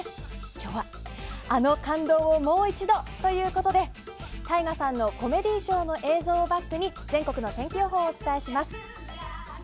今日はあの感動をもう一度ということでＴＡＩＧＡさんのコメディーショーの映像をバックに全国の天気予報をお伝えします。